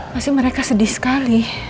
pasti mereka sedih sekali